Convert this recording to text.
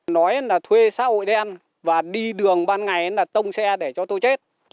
nói là thuê xã hội đen và đi đường ban ngày là tông xe để cho tôi chết